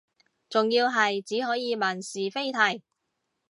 仲要係只可以問是非題